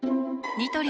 ニトリ